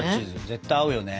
絶対合うよね。